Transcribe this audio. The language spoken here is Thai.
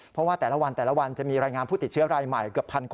เพราะว่าแต่ละวันแต่ละวันจะมีรายงานผู้ติดเชื้อรายใหม่เกือบ๑๐๐คน